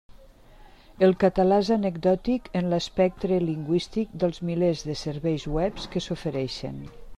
El català és anecdòtic en l'espectre lingüístic dels milers de serveis webs que s'ofereixen.